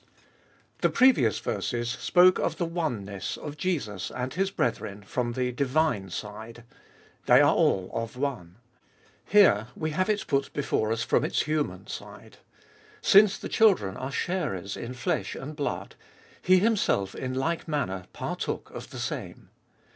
THE previous verses spoke of the oneness of Jesus and His brethren from the divine side : they are all of One. Here we have it put before us from its human side : Since the children are sharers in flesh and blood, He Himself in like manner partook of the same.